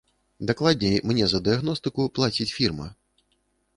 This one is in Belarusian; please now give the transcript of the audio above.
Дакладней, мне за дыягностыку плаціць фірма.